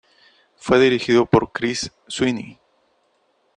Fue dirigido por Chris Sweeney.